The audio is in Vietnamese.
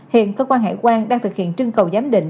hiện cơ quan hải quan đang thực hiện trưng cầu giám định